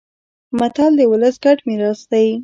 متل د ولس ګډ میراث دی